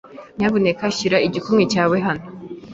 Nyamuneka shyira igikumwe cyawe hano.